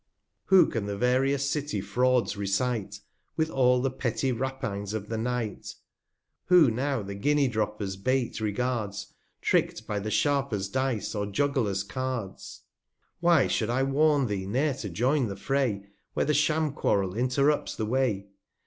246 Who can the various City Frauds recite, With all the petty Rapines of the Night? Who now the Guinea Droppers Bait regards, Trick'd by the Sharper's Dice, or Juggler's Cards? Why shou'd I warn thee ne'er to join the Fray, 25 1 / Where the Sham Quarrel interrupts the Way?